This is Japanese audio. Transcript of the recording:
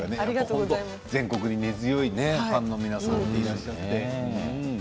全国に根強いファンの皆さんがいらっしゃって。